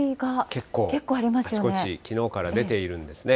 結構あちこち、きのうから出ているんですね。